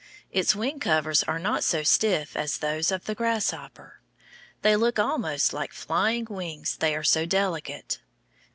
Its wing covers are not so stiff as those of the grasshopper. They look almost like flying wings, they are so delicate.